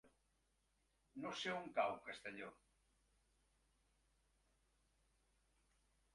No sé on cau Castelló.